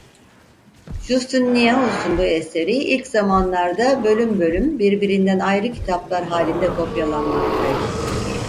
Justinianus'un bu eseri ilk zamanlarda bölüm bölüm birbirinden ayrı kitaplar halinde kopyalanmaktaydı.